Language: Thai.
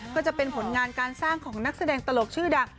ก็จะเป็นผลงานการสร้างของนักแสดงตลกชื่อดัง